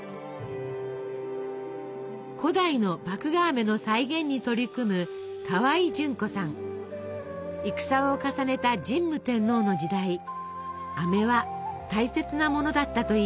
古代の麦芽あめの再現に取り組む戦を重ねた神武天皇の時代あめは大切なものだったといいます。